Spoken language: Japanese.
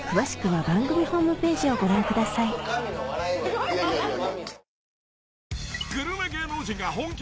いやいや。